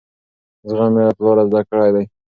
زغم مې له پلاره زده کړی دی.